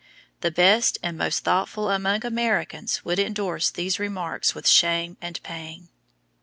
The best and most thoughtful among Americans would endorse these remarks with shame and pain.